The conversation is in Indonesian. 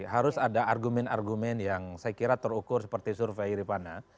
harus ada argumen argumen yang saya kira terukur seperti survei iripana